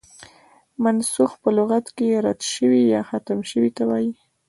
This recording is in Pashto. منسوخ په لغت کښي رد سوی، يا ختم سوي ته وايي.